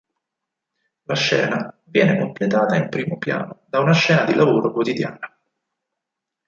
La scena viene completata in primo piano da una scena di lavoro quotidiana.